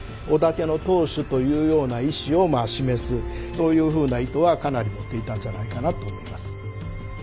そういうふうな意図はかなり持っていたんじゃないかなと思います。